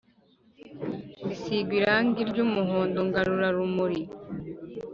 zisigwa irangi ry'umuhondo ngarurarumuri.